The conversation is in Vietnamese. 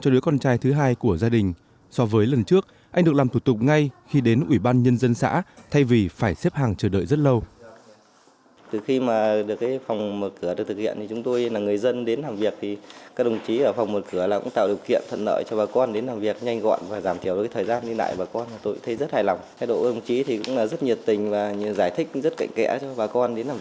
đồng chí cũng rất nhiệt tình và giải thích rất cạnh kẽ cho bà con đến làm việc